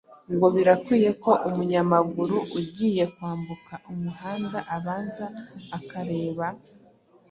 ngo birakwiye ko umunyamaguru ugiye kwambuka umuhanda abanza akareba